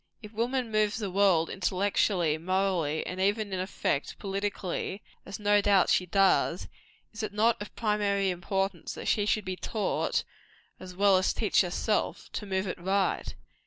If woman moves the world, intellectually, morally, and even, in effect, politically as no doubt she does is it not of primary importance that she be taught, as well as teach herself, to move it right?